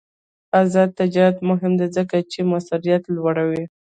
آزاد تجارت مهم دی ځکه چې موثریت لوړوي.